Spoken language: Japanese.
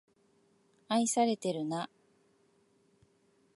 愛されてるな